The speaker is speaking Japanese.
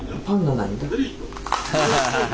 ハハハハハ！